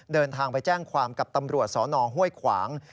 เดินทางไปแจ้งความกับตำรวจสนห้วยขวาง